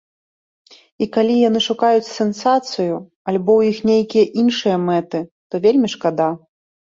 І калі яны шукаюць сенсацыю, альбо ў іх нейкія іншыя мэты, то вельмі шкада.